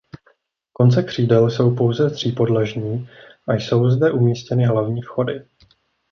Konce křídel jsou pouze třípodlažní a jsou zde umístěny hlavní vchody.